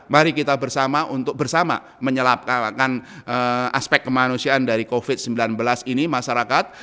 mari kita bersama untuk bersama menyelakkan aspek kemanusiaan dari covid sembilan belas ini masyarakat